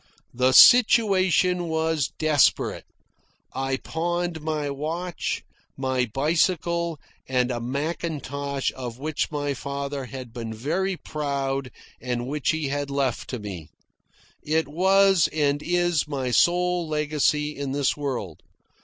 The situation was desperate. I pawned my watch, my bicycle, and a mackintosh of which my father had been very proud and which he had left to me. It was and is my sole legacy in this world.